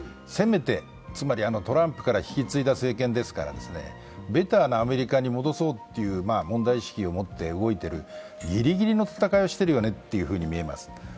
せめて、つまりトランプから引き継いだ政権ですからベターなアメリカに戻そうという問題意識を持って動いているギリギリの戦いをしているよねと見えます。